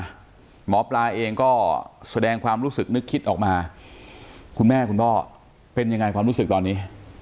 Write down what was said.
หมอปลาเองก็แสดงความรู้สึกนึกคิดออกมาคุณแม่คุณพ่อเป็นยังไงความรู้สึกตอนนี้